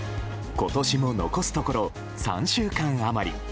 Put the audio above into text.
今年も残すところ３週間余り。